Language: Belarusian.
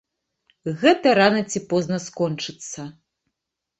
Гэта рана ці позна скончыцца.